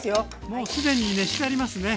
もう既に熱してありますね。